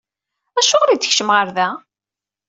Acuɣer i d-tekcem ɣer da?